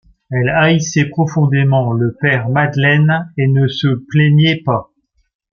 Elle haïssait profondément le père Madeleine, et ne se plaignait pas.